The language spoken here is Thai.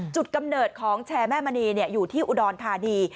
กำเนิดของแชร์แม่มณีอยู่ที่อุดรธานี